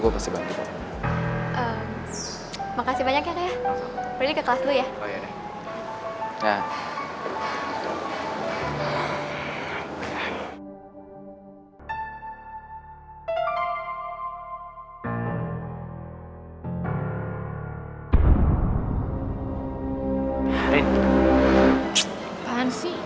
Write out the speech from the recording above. oh ya ide bagus